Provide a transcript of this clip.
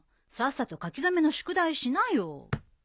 さっさと書き初めの宿題しなよ。